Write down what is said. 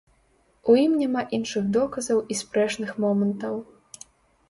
У ім няма іншых доказаў і спрэчных момантаў.